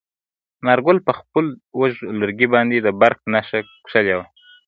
انارګل په خپل اوږد لرګي باندې د بري نښه کښلې وه.